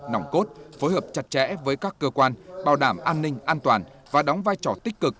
nòng cốt phối hợp chặt chẽ với các cơ quan bảo đảm an ninh an toàn và đóng vai trò tích cực